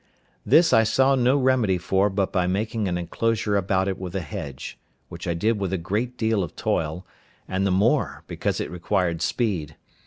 This I saw no remedy for but by making an enclosure about it with a hedge; which I did with a great deal of toil, and the more, because it required speed.